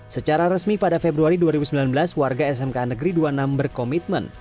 secara resmi pada februari dua ribu sembilan belas warga smk negeri dua puluh enam berkomitmen